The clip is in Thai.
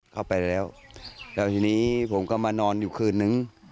เข้าไปแล้วแล้วทีนี้ผมก็มานอนอยู่คืนนึง